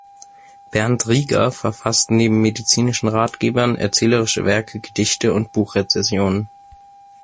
Berndt Rieger verfasst neben medizinischen Ratgebern erzählerische Werke, Gedichte und Buchrezensionen.